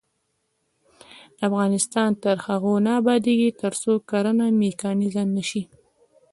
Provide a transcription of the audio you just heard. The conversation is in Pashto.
افغانستان تر هغو نه ابادیږي، ترڅو کرنه میکانیزه نشي.